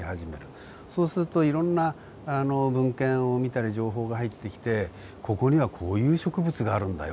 そうするといろんな文献を見たり情報が入ってきてここにはこういう植物があるんだよ